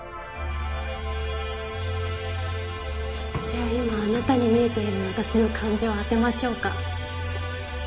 じゃあ今あなたに見えている私の感情当てましょうか？